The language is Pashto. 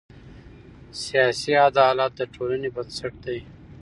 سیاسي عدالت د ټولنې بنسټ دی